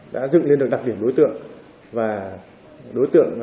đã dựng lên được đặc điểm đối tượng